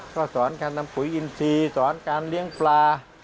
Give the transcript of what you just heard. ก็สอนการทำปุ๋ยอินทรีย์สอนการเลี้ยงปลา